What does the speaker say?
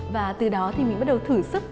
và từ đó thì mình bắt đầu thử sức